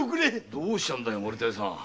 どうしたね森田屋さん？